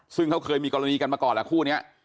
ซึ่งเขาเคยมีกรณีกันมาก่อนแหละคู่นี้